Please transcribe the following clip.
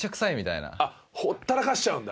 あっほったらかしちゃうんだ。